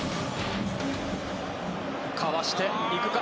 かわしていくか？